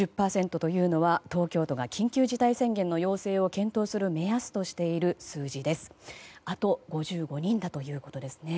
５０％というのは東京都が緊急事態宣言の要請を検討する目安としている数字ということです。